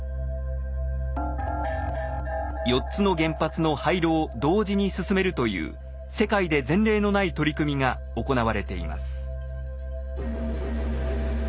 ４つの原発の廃炉を同時に進めるという世界で前例のない取り組みが行われています。